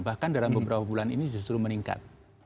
bahkan dalam beberapa bulan ini justru meningkat